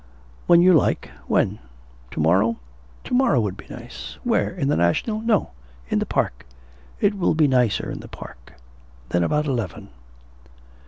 'When you like. When? To morrow?' 'To morrow would be nice.' 'Where in the National?' 'No, in the park. It will be nicer in the park. Then about eleven.'